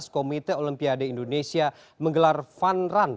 komite olimpiade indonesia menggelar fun run